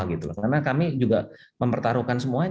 karena kami juga mempertaruhkan semuanya